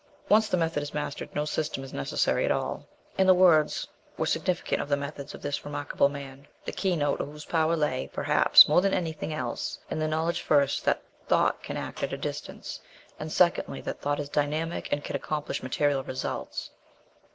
Once the method is mastered, no system is necessary at all." And the words were significant of the methods of this remarkable man, the keynote of whose power lay, perhaps, more than anything else, in the knowledge, first, that thought can act at a distance, and, secondly, that thought is dynamic and can accomplish material results.